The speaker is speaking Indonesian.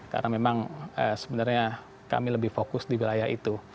karena memang sebenarnya kami lebih fokus di wilayah itu